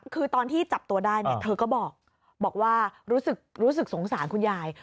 คือตอนที่จับตัวได้เนี่ยเธอก็บอกว่ารู้สึกสงสารคุณยาย